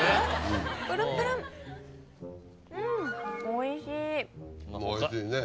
おいしいね。